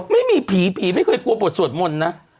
ไม่มีผีผีไม่เคยกลัวบทสวดมนต์นะ